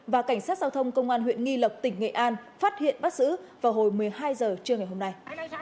và cảnh sát giao thông công an huyện nghi lộc tỉnh nghệ an phát hiện bắt giữ vào hồi một mươi hai h trưa ngày hôm nay